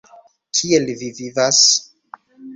Kiel ni vivas?